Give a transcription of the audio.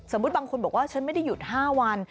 บางคนบอกว่าฉันไม่ได้หยุด๕วัน